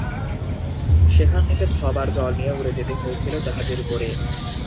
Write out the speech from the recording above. সেখান থেকে ছ’বার জল নিয়ে উড়ে যেতে হয়েছিল জাহাজের উপরে।